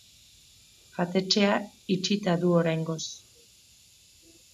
Jatetxea itxita du oraingoz.